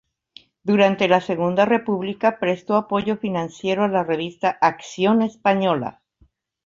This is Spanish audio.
Durante la Segunda República prestó apoyo financiero a la revista "Acción Española".